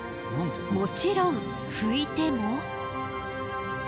もちろん拭いても。